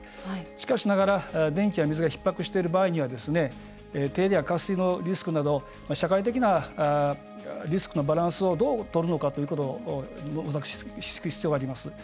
しかしながら、電気や水がひっ迫している場合には停電や渇水のリスクなど社会的なリスクのバランスをどうとるのかということを模索していく必要があります。